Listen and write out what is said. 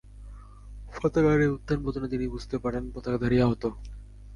পতাকার এ উত্থান-পতনে তিনি বুঝতে পারেন পতাকাধারী আহত।